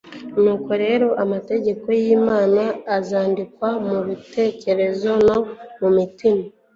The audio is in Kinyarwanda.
Nuko rero amategeko y’Imana azandikwa mu bitekerezo no mu mutima,